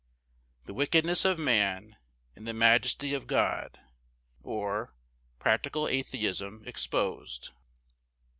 The wickedness of man, and the majesty of God; or. Practical atheism exposed.